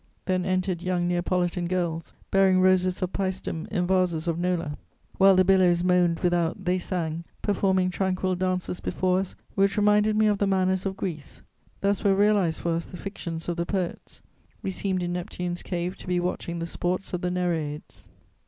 Then entered young Neapolitan girls, bearing roses of Pæstum in vases of Nola; while the billows moaned without, they sang, performing tranquil dances before us which reminded me of the manners of Greece: thus were realized for us the fictions of the poets; we seemed in Neptune's cave to be watching the sports of the Nereids."